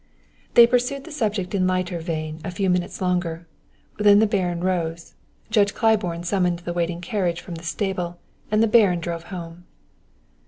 They pursued the subject in lighter vein a few minutes longer, then the Baron rose. Judge Claiborne summoned the waiting carriage from the stable, and the Baron drove home.